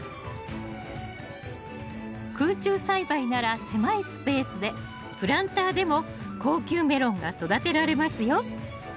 空中栽培なら狭いスペースでプランターでも高級メロンが育てられますよ